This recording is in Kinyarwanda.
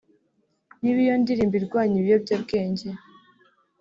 niba iyo ndirimbo irwanya ibiyobyabwenge